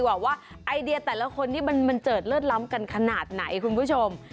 ไอเดียแต่ละคนหรือกันขนาดไหนคุณผู้ชม